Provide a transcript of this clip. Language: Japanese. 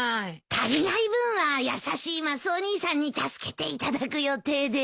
足りない分は優しいマスオ兄さんに助けていただく予定で。